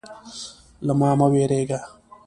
_له ما مه وېرېږه.